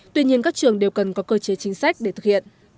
tuy nhiên các trường đều cần có cơ chế chính sách để thực hiện